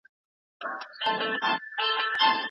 هغوی مشهد د خپل قلمرو د پراخولو لپاره محاصره کړ.